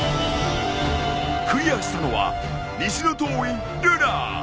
クリアしたのは西洞院ルナ！